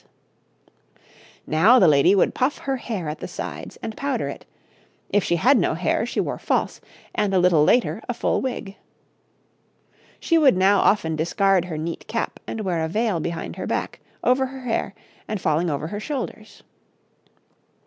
four types of shoe}] Now the lady would puff her hair at the sides and powder it; if she had no hair she wore false, and a little later a full wig. She would now often discard her neat cap and wear a veil behind her back, over her hair, and falling over her shoulders.